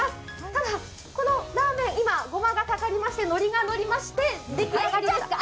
ただ、このラーメン、今、ごまがかかりまして、のりがのりましてでき上がりました。